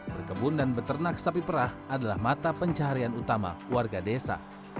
berkebun dan beternak sapi perah adalah mata pencaharian utama warga desa